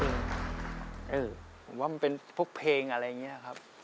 ผมว่ามันเป็นพวกเพลงอะไรอย่างนี้ครับ